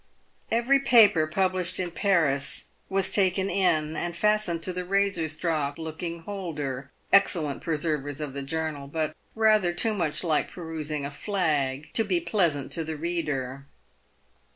Every paper published in Paris was taken in, and fastened to the razor strop looking holder — excellent preservers of the journal, but rather too much like perusing a flag, to be pleasant to the reader.